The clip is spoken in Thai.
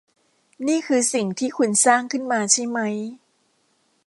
นี่คือสิ่งที่คุณสร้างขึ้นมาใช่มั้ย